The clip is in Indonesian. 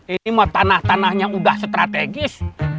ini mau tanah tanahnya udah strategis